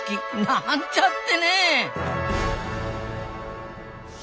なんちゃってね！